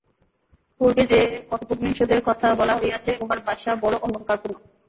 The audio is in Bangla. পূর্বে যে কঠোপনিষদের কথা বলা হইয়াছে, উহার ভাষা বড় অলঙ্কারপূর্ণ।